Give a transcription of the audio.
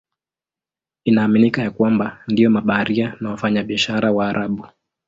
Inaaminika ya kwamba ndio mabaharia na wafanyabiashara Waarabu.